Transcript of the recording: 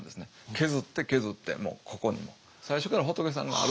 削って削ってもうここに最初から仏さんがあるわけです。